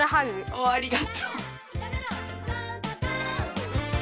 おありがとう。